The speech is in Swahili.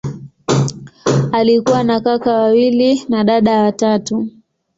Alikuwa na kaka wawili na dada watatu.